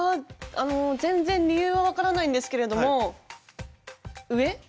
あの全然理由は分からないんですけれども上？